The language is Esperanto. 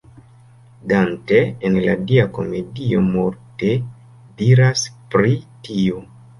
Dante en la Dia Komedio multe diras pri tio.